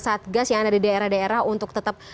satgas yang ada di daerah daerah untuk tetap